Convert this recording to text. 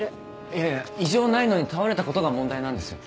いやいや異常ないのに倒れたことが問題なんですよ。